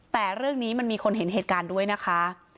แต่เรื่องนี้มันมีคนเห็นเหตุการณ์ด้วยนะคะ